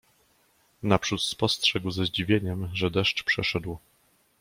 Naprzód spostrzegł ze zdziwieniem, że deszcz przeszedł.